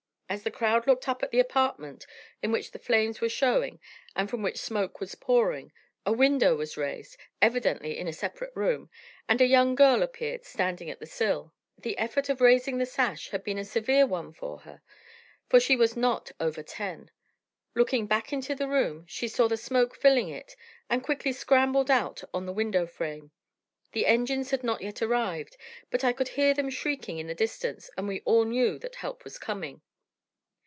As the crowd looked up at the apartment in which the flames were showing and from which smoke was pouring, a window was raised evidently in a separate room and a young girl appeared standing at the sill. The effort of raising the sash had been a severe one for her, for she was not over ten. Looking back into the room, she saw the smoke filling it, and quickly scrambled out on the window frame. The engines had not yet arrived, but I could hear them shrieking in the distance, and we all knew that help was coming.